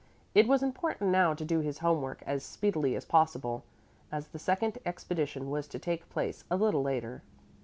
It was important now to do his home work as speedily as possible, as the second expedition was to take place a little later.